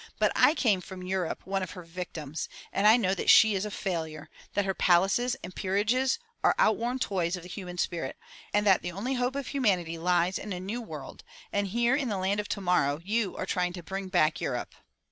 "But I came from Europe one of her victims, and I know that she is a failure, that her palaces and peerages are outworn toys of the human spirit, and that the only hope of humanity lies in a new world And here in the land of tomorrow, you are trying to bring back Europe."